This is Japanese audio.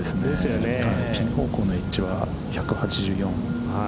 ピン方向のエッジは１８４。